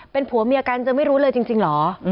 เป็นผัวเมียกันจะไม่รู้เลยจริงเหรอ